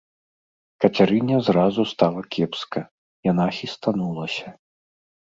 Кацярыне зразу стала кепска, яна хістанулася.